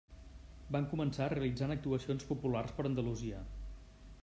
Van començar realitzant actuacions populars per Andalusia.